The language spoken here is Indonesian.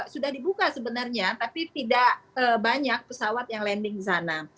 sudah dibuka sebenarnya tapi tidak banyak pesawat yang landing di sana